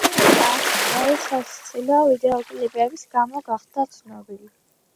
ორი უკანასკნელი სასაცილო ვიდეოკლიპების გამო გახდა ცნობილი.